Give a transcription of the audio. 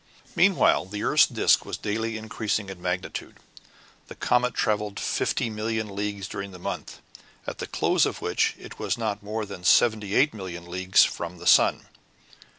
Meanwhile, the earth's disc was daily increasing in magnitude; the comet traveled 50,000,000 leagues during the month, at the close of which it was not more than 78,000,000 leagues from the sun.